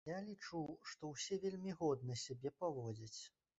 Я лічу, што ўсе вельмі годна сябе паводзяць.